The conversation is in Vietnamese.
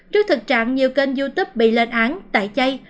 trước thực trạng nhiều kênh youtube bị lên án tẩy chay